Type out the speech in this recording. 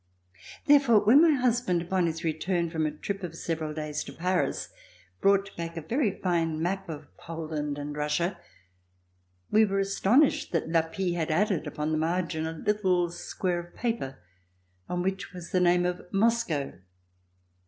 Therefore, when my husband, upon his return from a trip of several days to Paris, brought back a very fine map of Poland and Russia, we were astonished that Lapie had added upon the margin a little square of paper on which was the name of Moscow.